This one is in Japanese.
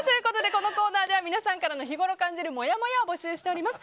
このコーナーでは皆さんからの日頃感じるもやもやを募集しております。